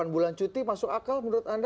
delapan bulan cuti masuk akal menurut anda